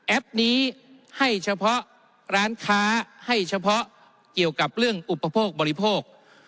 นี้ให้เฉพาะร้านค้าให้เฉพาะเกี่ยวกับเรื่องอุปโภคบริโภค